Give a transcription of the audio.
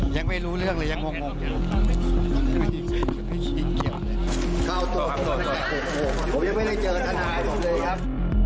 ยังไม่รู้เรื่องหรือยังงงยังไม่คิดเข้าตกตกตกตกผมยังไม่ได้เจอทนายที่สุดเลยครับ